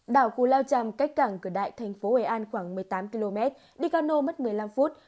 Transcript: đảo cú lao chàm cách cảng cửa đại thành phố hội an khoảng một mươi tám km đi cao nô mất một mươi năm phút